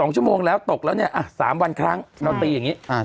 ๒ชั่วโมงแล้วตกแล้วเนี่ย๓วันครั้งเราตีอย่างนี้